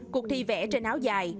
cuộc thi vẽ trên áo dài